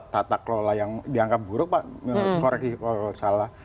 tata kelola yang dianggap buruk pak koreksi kalau salah